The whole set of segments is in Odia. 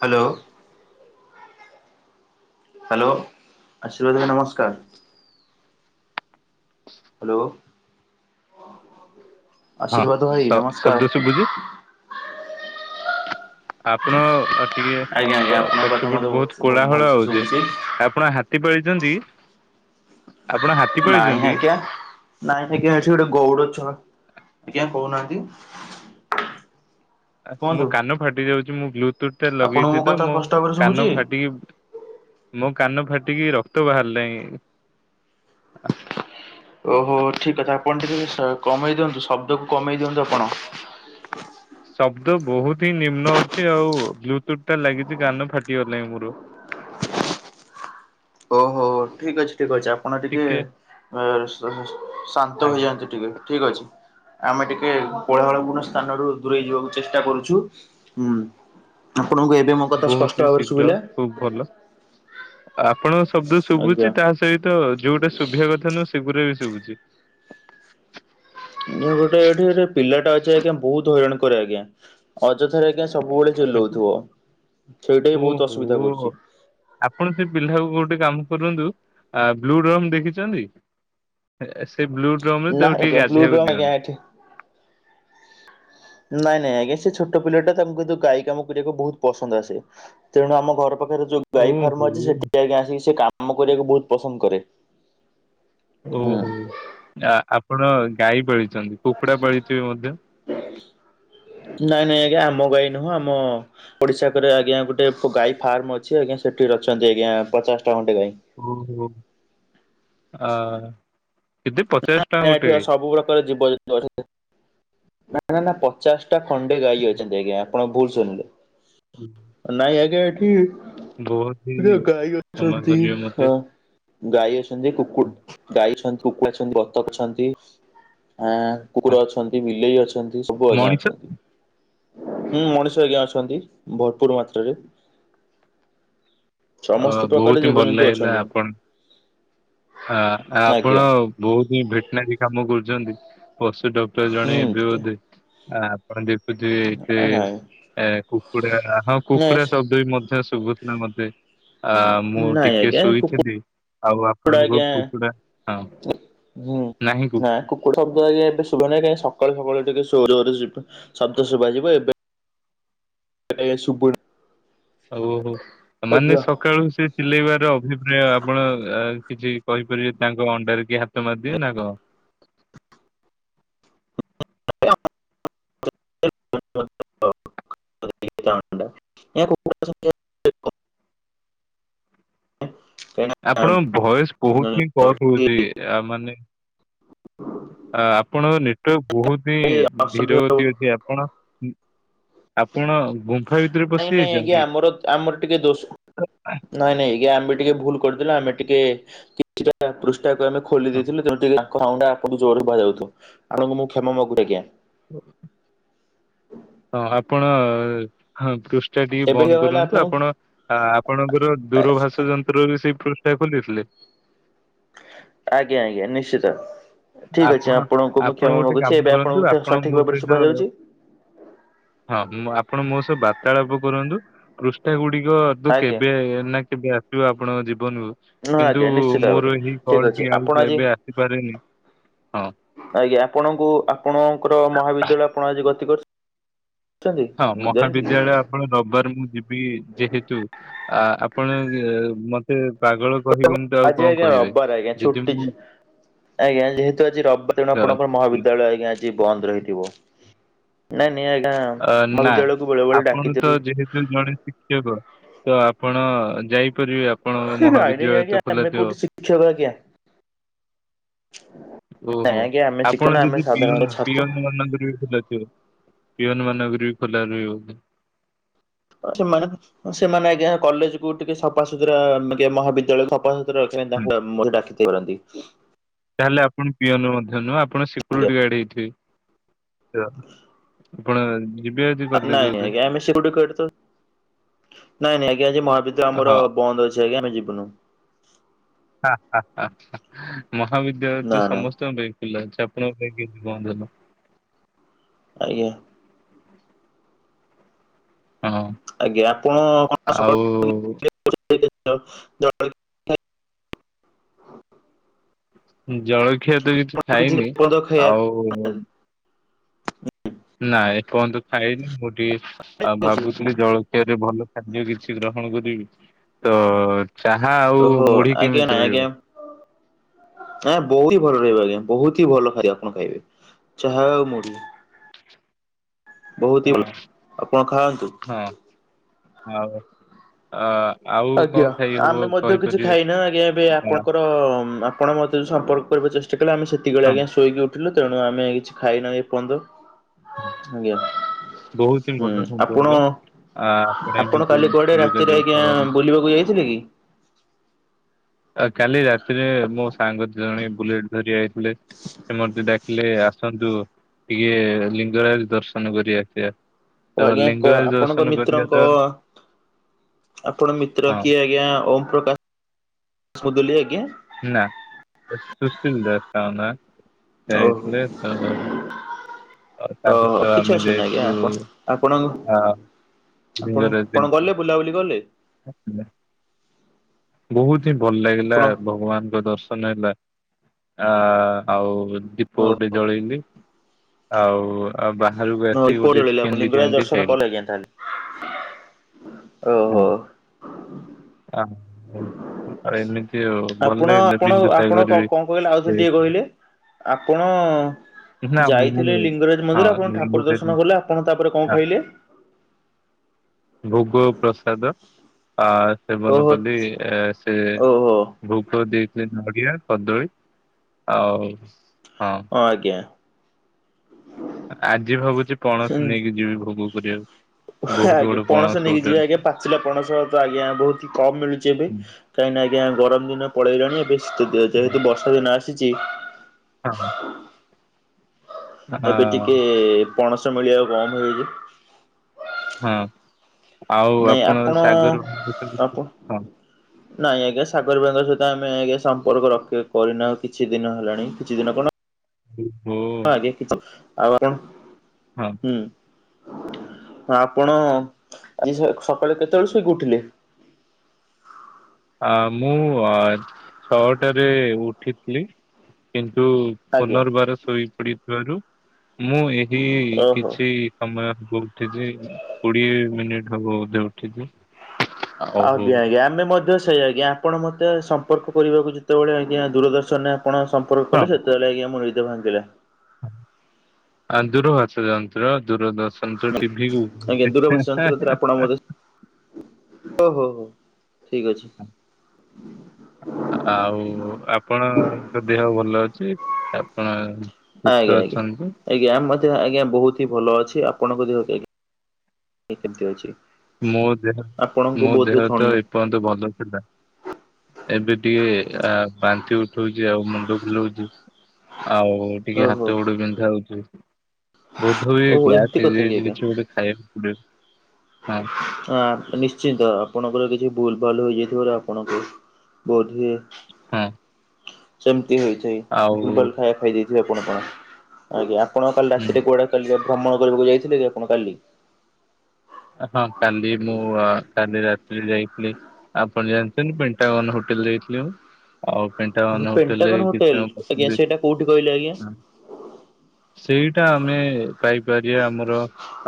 ହ୍ୟାଲୋ। ହ୍ୟାଲୋ। ଆ ସୁଭଦ୍ରା ନମସ୍କାର। ହ୍ୟାଲୋ ହଁ ଆଶୀର୍ବାଦ ଶ ଭାଇ ଶବ୍ଦ ନମସ୍କାର। ଶୁଭୁଛି ଆପଣ ଟିକେ ଆଜ୍ଞା ଆଜ୍ଞା ପ ଆପଣଙ୍କ ପଛ କଥା ମତେ ପଟୁ ବହୁତ କୋଳାହୋଳ ଭଲସେ ଆଉଛି। ଶୁଭୁଛି ଆପଣ ହାତୀ ପାଳିଛନ୍ତି? ଆପଣ ହା ନାଇଁ ଆଜ୍ଞା, ନାଇଁ ଆଜ୍ଞା ଏଠି ଗୋଟେ ଗଉଡ ଛୁଆ ଆଜ୍ଞା କହୁନାହାନ୍ତି। ମୋ କୁହନ୍ତୁ କାନ ଫାଟି ଯାଉଛି, ମୁଁ ବ୍ଲୁଟୁଥଟା ଆପଣଙ୍କୁ ଲଗେଇଛି ତ କଥା ମୋ ସ୍ପଷ୍ଟ ଭାବରେ ଶୁଭୁଛି? କାନ ଫାଟିକି ମୋ କାନ ଫାଟିକି ରକ୍ତ ବାହାରିଲାଇଁ। ଓହୋ ହୋ ଠିକ କଥା। ଆପଣ ଟିକେ କମେଇ ଦିଅନ୍ତୁ ଶବ୍ଦକୁ କମେଇ ଦିଅନ୍ତୁ ଆପଣ। ଶବ୍ଦ ବହୁତ ହିଁ ନିମ୍ନ ଅଛି ଆଉ ବ୍ଲୁଟୁଥଟା ଲାଗିଚି କାନ ଫାଟିଗଲାଇଁ ମୋର। ଓ ହୋ ହୋ, ଠିକ ଅଛି। ଠିକ ଅଛି ଆପଣ ଟିକେ ଏ ଶ-ଶ-ଶ-ଶାନ୍ତ ଆଜ୍ଞା ହେଇଯାଆନ୍ତୁ ଟିକେ, ଠିକ ଅଛି। ଆମେ ଟିକେ କୋଳାହଳ ପୂର୍ଣ୍ଣ ସ୍ଥାନରୁ ଦୂରେଇ ଯିବାକୁ ଚେଷ୍ଟା କରୁଛୁ। ହୁଁ। ଆପଣଙ୍କୁ ଏବେ ମୁଁ ବହୁତ ହି ଶୀଘ୍ର, ଖୁବ ଭଲ। ଆପଣଙ୍କ ଶବ୍ଦ ଆଜ୍ଞା ଶୁଭୁଛି, ତା ସହିତ ଯୋଉଟା ଶୁଭିବା କଥା ନୁହଁ ସେଗୁରା ବି ଶୁଭୁଛି। ଗୋଟେ ଏଠି ଗୋଟେ ପିଲାଟା ଅଛି ଆଜ୍ଞା ବହୁତ ହଇରାଣ କରେ ଆଜ୍ଞା, ଅଯଥାରେ ଆଜ୍ଞା ସବୁବେଳେ ଚିଲଉଥିବ, ସେଇଟା ବି ବହୁତ ଅସୁବିଧା ଓହୋ କରୁଛି। ଆପଣ ସେ ପିଲାକୁ ଗୋଟେ କାମ କରନ୍ତୁ, ଆ ବ୍ଲୁମ ଡ୍ରମ୍ ଦେଖିଛନ୍ତି? ଆ ସେ ବ୍ଲୁ ଡ୍ରମରେ ନା ତାକୁ ଟିକେ ଆଜ୍ଞା ବ୍ଲୁ ଗାଧେଇଆକୁ ଡ୍ରମ୍ ଆଜ୍ଞା ଦିଅନ୍ତୁ। ଏଠି। ନାଇଁ ନାଇଁ ଆଜ୍ଞା, ସେ ଛୋଟ ପିଲାଟା ତାଙ୍କୁ କିନ୍ତୁ ଗାଈ କାମ କରିବାକୁ ବହୁତ ପସନ୍ଦ ଆସେ। ତେଣୁ ଆମ ଘର ଆମ ପାଖରେ ଯୋଉ ଗାଈ ଓହୋ ଫାର୍ମ ଅଛି, ସେଠିକି ଆଜ୍ଞା ଆସିକି ସିଏ କାମ କରିବାକୁ ବହୁତ ପସନ୍ଦ କରେ। ହୁଁ ଓହୋ। ଆ-ଆପଣ ଗାଈ ପାଳିଛନ୍ତି, କୁକୁଡ଼ା ପାଳିଥିବେ ମଧ୍ୟ? ନାଇଁ ନାଇଁ ଆଜ୍ଞା, ଆମ ଗାଈ ନୁହଁ। ଆମ ପଡ଼ିଶା ଘରେ ଆଜ୍ଞା, ଗୋଟିଏ ଗାଈ ଫାର୍ମ ଅଛି ଆଜ୍ଞା ସେଠି ରହୁଛନ୍ତି ଆଜ୍ଞା ପଚାଶଟା ଖଣ୍ଡେ ଗାଈ। ଓହୋ। ଆ କେତେ ପ [unintelligible] ଏଠି ଅ ସବୁ ପ୍ରକାର ଜୀବଜନ୍ତୁ ଅଛନ୍ତି। ନା, ନା, ନା ପଚାଶଟା ଖଣ୍ଡେ ଗାଈ ଅଛନ୍ତି ଆଜ୍ଞା, ଆପଣ ଭୁଲ ଶୁଣିଲେ। ନାଇଁ ଆଜ୍ଞା ଏଠି, ବହୁତ ହି ଏଠି ବା ଗାଈ କ୍ଷମା ଅଛନ୍ତି। କରିବେ ମତେ ହଁ। ଗାଈ ଅଛନ୍ତି, କୁକୁଡ ଗାଈ ଅଛନ୍ତି, କୁକୁଡ଼ା ଅଛନ୍ତି, ବତକ ଅଛନ୍ତି ଆଁ କୁକୁର ଅଛନ୍ତି, ବିଲେଇ ଅଛନ୍ତି, ସବୁ ଆଜ୍ଞା ମଣିଷ ଅଛନ୍ତି। ମୁଁ ମଣିଷ ଆଜ୍ଞା ଅଛନ୍ତି, ଭରପୁର ମାତ୍ରାରେ। ଅ ସମସ୍ତ ବହୁତ ପ୍ରକାଡରେ ହିଁ ଭଲ ଜୀବଜନ୍ତୁ ଅଛନ୍ତି। ଆ-ଆପଣ ଆଜ୍ଞା ବହୁତ ହିଁ ଭେଟନାରୀ କାମ କରୁଛନ୍ତି। ପଶୁ ଡ କ୍ଟର ଜଣେ ଏବେ ହୁଁ ବୋଧେ, ଆ-ଆପଣ ଦେବେ ବୋଧେ ଏବେ ନାଇଁ। ଏ କୁକୁଡ଼ା ହଁ ନାଇଁ କୁକୁଡ଼ା ଶବ୍ଦ ବି ମଧ୍ୟ ଶୁଭୁଥିଲା ମତେ। ଆ ମୁଁ ନାଇଁ ଟିକେ ଆଜ୍ଞା କୁକୁଡ଼ା ଶୋଇଥିଲି, ଆଉ ଆପ ଆପଣଙ୍କ ଆଜ୍ଞା କୁକୁଡ଼ା ହଁ ନାହିଁ କୁ କୁକୁଡା ଶବ୍ଦ ଆଜ୍ଞା ଏବେ ଶୁଭୁ ନାହିଁ, କାହିଁ ସକାଳୁ ସକାଳୁ ଟିକେ ଜୋର୍ ଜୋର୍ ଶୁଭେ ଶବ୍ଦ ଶୁଭାଯିବ। ଏବେ ଟିକେ ଏ ନେଇ ଆ ଶୁଭୁନି। ଓହୋ। ମାନେ ଆଜ୍ଞା। ସକାଳୁ ସେ ଚିଲେଇବାର ଅଭିପ୍ରାୟ ଆପଣ କିଛି କହିପାରିବେ? ତାଙ୍କ ଅଣ୍ଡାରେ କିଏ ହାତ ମାରିଦିଏ ନା କଣ? [unintelligible] [unintelligible] ଅଣ୍ଡାରେ। ଏହା କୁକୁଡ଼ା ସଂଖ୍ୟା ଆପଣଙ୍କ ଭଏସ ବହୁତ ହିଁ କଟ ହଉଛି। ଆ ମାନେ ଆ ଆପଣଙ୍କ ନେଟୱାର୍କ ବହୁତ ହିଁ ଅସଭ୍ୟ ଧୀର ଗତି ଅଛି, ଆପଣ ଆପଣ ଗୁମ୍ ନାଇଁ ନାଇଁ ଆଜ୍ଞା, ଆମର ଆମର ଟିକେ ଦୋଷ ନାଇଁ ନାଇଁ ଆଜ୍ଞା, ଆମେ ଟିକେ ଭୁଲ କରିଦେଲୁ, ଆମେ ଟିକେ କିଛିଟା ପୃଷ୍ଠାକୁ ଆମେ ଖୋଲି ହଁ। ଦେଇଥିଲୁ। ତେଣୁ ଟିକେ ସାଉଣ୍ଡଟା ଆପଣଙ୍କୁ ଜୋରରେ ଶୁଭା ଯାଉଥିବ। ଆପଣଙ୍କୁ ମୁଁ କ୍ଷମା ମାଗୁ ଆଜ୍ଞା। ହଁ। ହଁ, ଆପଣ ହଁ, ପୃଷ୍ଠା ଟିକେ ଏବେ ଠିକ ବନ୍ଦ ହେଲା କରନ୍ତୁ। ଆପଣଙ୍କୁ ଆପଣ ଆପଣଙ୍କର ଦୂରଭାଷ ଯନ୍ ଯନ୍ତ୍ରରେ ସେଇ ପୃଷ୍ଠା ଖୋଲିଥିଲେ? ଆଜ୍ଞା ଆଜ୍ଞା ନିଶ୍ଚିତ। ଠିକ ଅଛି ଆପଣ ଆପଣଙ୍କୁ ମୁଁ ଆପଣ କ୍ଷମା ଗୋଟେ ମାଗୁଛି କାମ ଏବେ କରନ୍ତୁ ଆପଣଙ୍କୁ ଆପଣ ମୋ ସଠିକ ଭାବରେ ସହିତ ଶୁଭା ଯାଉଛି? ହଁ, ମୁଁ ଆପଣ ମୋ ସହ ବାର୍ତ୍ତାଳାପ କରନ୍ତୁ ପୃଷ୍ଠା ଗୁଡିକ ତ ଆଜ୍ଞା କେବେ ନା କେବେ ଆସିବ ଆପଣଙ୍କ ଜୀବନକୁ ହଁ କିନ୍ତୁ ଆଜ୍ଞା ନିଶ୍ଚିତ ଭାବରେ ମୋର ଏଇ ଠିକ୍ ଅଛି କଲଟି ଆଉ ଆପଣ ଆଜି ଏବେ ଆସିପାରେନି ହଁ। ଆଜ୍ଞା ଆପଣଙ୍କୁ ଆପଣଙ୍କର ମହାବିଦ୍ୟାଳୟ ଆପଣ ଆଜି ଗତି କରି ହଁ, ମହାବିଦ୍ୟାଳୟ ଆପଣ ରବିବାର ମୁଁ ଯିବି। ବି ଯେହେତୁ ଆ ଆପଣ ମ ସେ ପାଗଳ କହିବେନି ତ ଆଉ ଆଜି କଣ ଆଜ୍ଞା କହିବେ ରବିବାର ଆଜ୍ଞା ଯଦି ଛୁଟି ମୁଁ ଆଜ୍ଞା ଯେହେତୁ ଆଜି ରବିବାର ଦିନ ଆପଣଙ୍କର ଅଛି। ମହାବିଦ୍ୟାଳୟ ଆଜ୍ଞା ଆଜି ବନ୍ଦ ରହିଥିବ। ନାଇଁ ନାଇଁ ଆଜ୍ଞା ଅ, ନା ମହାବିଦ୍ୟାଳୟକୁ ବେଳେବେଳେ ଡାକିି ଏ କୁହ ତ ଆପଣ ଯାଇପାରିବେ ଆପଣଙ୍କ ନାଇଁ ନାଇଁ ମହାବିଦ୍ୟାଳୟ ଆଜ୍ଞା ତ ଖୋଲାଥିବ? [unintelligible] ନାଇଁ ଆଜ୍ଞା ଆମେ ଶିକ୍ଷକ ନା ଆମେ ସାଧାରଣତଃ ଛାତ୍ର। [unintelligible] ପିଅନ ମାନଙ୍କର ବି ଖୋଲା ରହିବ। ସେମାନେ ସେମାନେ ଆଜ୍ଞା କଲେଜ କୁ ଟିକେ ସଫାସୁତୁରା ମହାବିଦ୍ୟାଳୟ ହୁଁ, ସଫା [unintelligible] ତାହେଲେ ଆପଣ ପିଅନ ମଧ୍ୟ ନୁହଁ ଆପଣ ଆଜ୍ଞା ସିକୁରିଟି ଗାଡ ହେଇ ଥିବେ ଆପଣ ଯିବେ ଆଜି କଲେଜ ବୋଧେ? ସିକୁରିଟି ନାଇଁ ନାଇଁ ଆଜ୍ଞା ଆଜି ମହାବିଦ୍ୟାଳୟ ଆମର ହଁ। ବନ୍ଦ ଅଛି ଆଜ୍ଞା ଆମେ ଯିବୁନୁ। ମହାବିଦ୍ୟାଳୟ ନା ତ ନା ସମସ୍ତଙ୍କ ପାଇଁ [unintelligible] ଆଜ୍ଞା। ହଁ। ଆଉ [unintelligible] [unintelligible] ଜଳଖିଆ ତ କିଛି ଖାଇନି ଆଉ ନାଇ ଏପର୍ଯ୍ୟନ୍ତ ଖାଇନି ମୁଁ ଟିକେ ଆଉ ଭାବୁଥିଲି ଜଳ ରେ ଭଲ ଖାଦ୍ୟ କିଛି ଗ୍ରହଣ କରିବି ତ ଚାହା ଆଉ ଓହୋ ମୁଢି କେମିତି ରହିବ? ଏଁ ବହୁତ ହି ଭଲ ରହିବ ଆଜ୍ଞା ବହୁତ ହି ଭଲ ଖାଦ ଆପଣ ଖାଇବେ। ଚାହା ଆଉ ମୁଡ଼ି। ହଁ ଆପଣ ଖାଆନ୍ତୁ। ହଁ ଆଉ ଅ ଆଉ କଣ ଆଜ୍ଞା ଖାଇ ହବ ଆମେ ମଧ୍ୟ କିଛି କହିପାରିବେ ଖାଇନୁ ଆଜ୍ଞା ଏବେ ଆପଣଙ୍କର ହଁ। [unintelligible] ଉଠିଲୁ ତେଣୁ ଆମେ କିଛି ଖାଇନୁ ଏ ପର୍ଯ୍ୟନ୍ତ ଆଜ୍ଞା। ବହୁତ ହିଁ ହୁଁ ଭଲ ଆପଣ ସମ୍ପର୍କ ଆ ଆପଣ ଏମିତି କାଲି କୁଆଡେ ରାତିରେ ଯୋଗାଯୋଗ ଆଜ୍ଞା କରନ୍ତି। ବୁଲି ବୁଲିବାକୁ ଯାଇଥିଲେ କି? ଆ କାଲି ରାତିରେ ମୋ ସାଙ୍ଗ ଜଣେ ବୁଲେଟ ଧରି ଆାଇଥିଲେ ସେ ମତେ ଡାକିଲେ ଆସନ୍ତୁ ଟିକେ ଲିଙ୍ଗରାଜ ଦର୍ଶନ କରି ଆସିବା ଓ ତ ଆଜ୍ଞା କ ଲିଙ୍ଗରାଜ ଆପଣଙ୍କ ଦର୍ଶନ କରିବା ମିତ୍ରଙ୍କ ତ ଆପଣ ମିତ୍ର କିଏ ହଁ ଆଜ୍ଞା ଓମ୍ ପ୍ରକାଶ ମୁଦଲି ଆଜ୍ଞା? ନା ସୁଶୀଲ ଦାସ ତାଙ୍କ ନାଁ ସେ ଓହୋ। ଆଇଥିଲ ଓହୋ କିଛି ଅସୁବିଧା ନାହିଁ ଯାଇଥିଲୁ ଆଜ୍ଞା ଆପଣ ହଁ ଆପଣ ଲିଙ୍ଗରାଜ ଆପଣ ଗଲେ ବୁଲାବୁଲି କଲେ? [unintelligible] ବହୁତ ହିଁ ଭଲ ଲାଗିଲା ଆପଣ ଭଗବାନଙ୍କ ଦର୍ଶନ ହେଲା ଆ ଆଉ ଦୀପ ଗୋଟେ ଜଳେଇଲି ଆଉ ଆଉ ବାହାରକୁ ହ ଆସିକି ଗୋଟେ ଏଇପଳିଲେ ଚିକେନ ଆପଣ ବିରିୟାନୀ ଲିଙ୍ଗରାଜ ଟେ ଦର୍ଶନ ଖାଇଲି କଲେ ଆଜ୍ଞା ତାହେଲେ। ଓହୋ। ଅଁ, ହଁ, ହଁ। ଆପଣ ଆପଣ ଆପଣ କ'ଣ ସାଗର କ'ଣ କହିଲେ ବି ଆଉଥରେ ଟିକେ କହିଲେ। ଆପଣ ନା ମୁଁ ଯାଇଥିଲେ ଲିଙ୍ଗରାଜ ହଁ ମନ୍ଦିର ଆପଣ ଠାକୁର ଲିଙ୍ଗରାଜ ଦର୍ଶନ କଲେ ଆପଣ ତାପରେ କ'ଣ ହଁ ଖାଇଲେ? ଭୋଗ ପ୍ରସାଦ ଆ ସେବନ ଓହୋ ବୋଧେ ଏ ସେ ଓହୋ ହଁ ଭୋଗ ଦେଇ ସେ ନଡ଼ିଆ, କଦଳୀ ଆଉ, ହଁ। ହଁ, ଆଜ୍ଞା। ଆଜି ଭାବୁଛି ପଣସ ନେଇକି ଯିବି ଭୋଗ କରିବାକୁ। ବହୁତ ଆଜ୍ଞା, ବଡ ପଣସ ନେଇକି ଗୋଟେ ଯିବେ ଆଜ୍ଞା ପାଚିଲା ପଣସ ତ ଆଜ୍ଞା ବହୁତି କମ୍ ମିଳୁଛି ଏବେ। କାହିଁକିନା ଆଜ୍ଞା, ଗରମ ଦିନ ପଳେଇଲାଣି ଏବେ ଶୀତ ଦିନ ଯେହେତୁ ବର୍ଷା ଦିନ ଆସିଛି ଆଁ ହୁଁ ଏବେ ଟିକେ ପଣସ ମିଳିବା ବନ୍ଦ ହେଇଯି ହଁ, ଆଉ ଆପଣ ସାଗର [inaudible] ଆପଣ ହଁ। ନାଇଁ ଆଜ୍ଞା, ସାଗର ଭାଇଙ୍କ ସହିତ ଆମେ ଆଜ୍ଞା ସମ୍ପର୍କ ରଖି କରିନାଉ କିଛି ଦିନ ହେଲାଣି କିଛି ଦିନ କ'ଣ ମୋ ହଁ ଆଜ୍ଞା, କିଛି ଆଉ ଆପଣ ହଁ। ହୁଁ, ଆପଣ ଆଜି ସ ସକାଳେ କେତେବେଳେ ଶୋଇକି ଉଠିଲେ? ଆ ମୁଁ ଆ ଛଅଟାରେ ଉଠିଥିଲି କିନ୍ତୁ ଆଜ୍ଞା ପୁନର୍ବାର ଶୋଇପଡିଥିବାରୁ ମୁଁ ଏହି ଓହୋ କିଛି ସମୟ ହବ ଉଠିଛି କୋଡିଏ ମିନିଟ୍ ହବ ବୋଧେ ଉଠିଛି। ଆଉ ହଁ ଆଜ୍ଞା, ଆଜ୍ଞା, ଆମେ ମ ତ ସେଇ ଆଜ୍ଞା, ଆପଣ ମତେ ସମ୍ପର୍କ କରିବାକୁ ଯେତେବେଳେ ଆଜ୍ଞା ଦୂରଦର୍ଶନ ରେ ଆପଣ ସମ୍ପର୍କ କଲେ ସେ [inaudible] ଆଜ୍ଞା ମୋ ଭାଙ୍ଗିଥିଲା। ଆ ଦୂରଭାଷାଯନ୍ତ୍ର ଦୂରଦର୍ ଶାନ୍ତ ଟିଭିକୁ ଆଜ୍ଞା ଓ ହୋଃ ହୋଃ, ଠିକ୍ ଅଛି। [unintelligible] ଆଉ ଆପଣଙ୍କ ଦେହ ଭଲ ଅଛି? ଆପଣ ସୁସ୍ଥ ଆଜ୍ଞା, ଆଜ୍ଞା। ଅଛନ୍ତି ଆଜ୍ଞା, ଆମ ଦେହ ଆଜ୍ଞା ବହୁତ ହି ଭଲ ଅଛି ଆପଣଙ୍କ ଦେହ ଆଜ୍ଞା କେ କେମତି ଅଛି? ମୋ ଦେହ ଆପଣଙ୍କୁ ମୋ ବୋଧହୁଏ ଦେହ ତ ଥଣ୍ଡା ଏ ପର୍ଯ୍ୟନ୍ତ ଭଲ ଥିଲା। ଏବେ ଟିକେ ଆ ବାନ୍ତି ଉଠଉଛି ଆଉ ମୁଣ୍ଡ ବୁଲଉଛି। ଆଉ ଟିକେ ଓହୋ। ହାତ ଗୋଡ ବିନ୍ଧା ହଉଛି। ବୋଧ ହୁଏ ଓ ଗ୍ୟାସ୍ ଏମିତି କଥା କି ହେଇଯାଇଛି ଆଜ୍ଞା କିଛି ଗୋଟେ ଖାଇବାକୁ ପଡିବ, ହଁ। ହଁ, ଆ ନିଶ୍ଚିନ୍ତ ଆପଣଙ୍କର କିଛି ଭୁଲ ଭାଲ ରହିଯାଇଥିବାରୁ ଆପଣଙ୍କୁ ବୋଧ ହୁଏ ହୁଁ। ସେମିତି ହେଇଥାଏ ଭୁଲ ଭାଲ ହୁଁ ଖାଇବା ଖାଇ ଦେଇଥିବେ ଆପଣ କ'ଣ, ଆଜ୍ଞା ଆପଣ କାଲି ରାତିରେ କୁଆଡେ କାଲି ଆ ଭ୍ରମଣ କରିବାକୁ ଯାଇଥିଲେ କି ଆପଣ କାଲି? ହଁ, କାଲି ମୁଁ କାଲି ରାତିରେ ଯାଇଥିଲି। ଆପଣ ଜାଣିଛନ୍ତି ପେଣ୍ଟାଗନ ହୋଟେଲ ଯାଇଥିଲି ମୁଁ। ଆଉ ପେଣ୍ଟାଗନ ହୋଟେଲରେ ବି କିଛି ହୋଟେଲ ସମୟ ଆଜ୍ଞା ବସିଲି, ସେଇଟା କୋଉଠି କହିଲେ ଆଜ୍ଞା? ହଁ। ସେଇଟା ଆମେ ପାଇପାରିବା ଆମର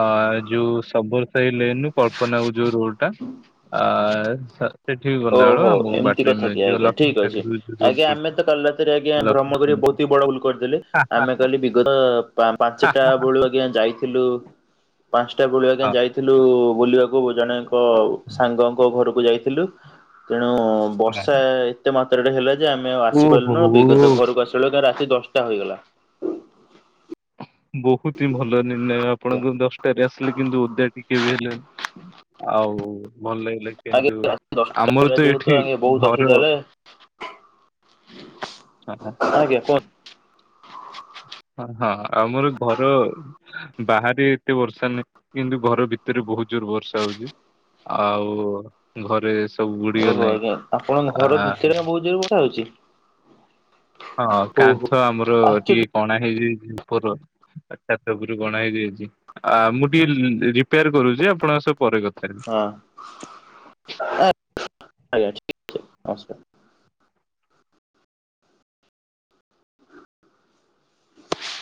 ଅ ଯୋଉ ସବର ସେଇ ଲେନରୁ କଳ୍ପନା କୁ ଯୋଉ ରୋଡଟା ଆ ସ ସେଠିକି ଗଲା ବେଳୁ ଓହୋଃ, ଆମକୁ ଏମିତି ବାଟରେ କଥା କି ମିଳିଯିବ ଆଜ୍ଞା ଲକ୍ଷ୍ମୀ ଠିକ୍ ଅଛି ସାଗର ଯୋଉ ରୋଡ ଆଜ୍ଞା ପଡିଛି। ଆମେ ତ କାଲି ରାତିରେ ଆଜ୍ଞା ଲକ୍ଷ୍ମୀ ଭ୍ରମଣ କରି ବହୁତ ସାଗର ତି ବଡ ଭୁଲ କରିଦେଲେ ହା, ହା, ଆମେ କାଲି ବିଗତ ପା ହା, ପାଞ୍ଚଟା ବେଳୁ ଆଜ୍ଞା ଯାଇ ଥିଲୁ ପାଞ୍ଚଟା ବେଳୁ ଆଜ୍ଞା ହା, ଯାଇଥିଲୁ ବୁଲିବାକୁ ଜଣେ ତ ସାଙ୍ଗଙ୍କ ଘରକୁ ଯାଇଥିଲୁ ତେଣୁ ହା। ବର୍ଷା ଏତେ ମାତ୍ରାରେ ହେଲା ଯେ ଆମେଆଉ ଆସିପାରିଲୁନୁ ଓହୋ ବିଗତ ଘରକୁ ଆସିଲ ବେଳେକୁ ରାତି ଦଶଟା ହୋଇଗଲା। ବହୁତ ହିଁ ଭଲ ନିର୍ଣ୍ଣୟ ଆପଣଙ୍କ ଦଶଟାରେ ଆସିଲେ କିନ୍ତୁ ଓଦା ଟିକେ ବି ହେଲେନି। ଆଉ ଭଲ ଲାଗିଲା କିନ୍ତୁ ଆଜ୍ଞା ରାତି ଦଶଟା ଆମର ହେଲା ତ ଯେହେତୁ ଏଠି ଆଜ୍ଞା ବହୁତ ଘର ଅସୁବିଧା ହେଲା ହଁ। ଆଜ୍ଞା କୁହନ୍ତୁ। ହଁ ହଁ ଆଉ ମୋର ଘର ବାହାରେ ଏତେ ବର୍ଷା ନାହିଁ କିନ୍ତୁ ଘର ଭିତରେ ବହୁତ ଜୋର ବର୍ଷା ହଉଛି। ଆଉ ଘରେସ୍ ଓହୋ ଆଜ୍ଞା ଆପଣଙ୍କ ଘର ଭିତରେ ବହୁତ ଜୋରରେ ବର୍ଷା ହଉଛି। ହଁ ଓହୋ କାନ୍ଥ ଆମର ଆଶ୍ଚର୍ଯ୍ୟ ଟିକେ କଣା ହେଇଯାଇଛି ଉପର ଆ ଛାତ ଉପରୁ ଗଣା ହେଇ ଯାଇଛି ଆ ମୁଁ ଟିକେ ରିପେୟାର କରୁଛି ଆପଣଙ୍କ ସହ ପରେ କଥା ହେବି। ହଁ। ଆଜ୍ଞା ଠିକ୍ ନମସ୍କାର।